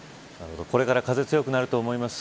これから風が強くなると思います